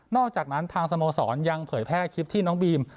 อกจากนั้นทางสโมสรยังเผยแพร่คลิปที่น้องบีม